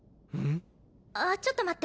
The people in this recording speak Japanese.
ああちょっと待って。